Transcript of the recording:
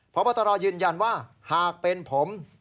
พบตรยืนยันว่าหากเป็นผม